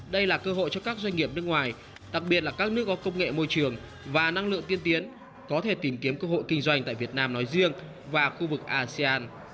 đây là cơ hội cho các doanh nghiệp nước ngoài đặc biệt là các nước có công nghệ môi trường và năng lượng tiên tiến có thể tìm kiếm cơ hội kinh doanh tại việt nam nói riêng và khu vực asean